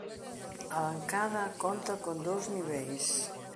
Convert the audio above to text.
A bancada conta con dous niveis.